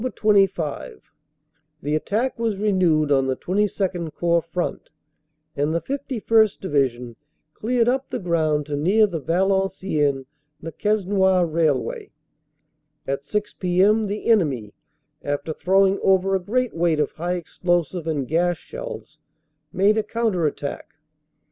25 The attack was renewed on the XXII Corps front and the 5 1st. Division cleared up the ground to near the Valen ciennes Le Quesnoy railway. At 6 p.m. the enemy, after throwing over a great weight of high explosive and gas shells, made a counter attack.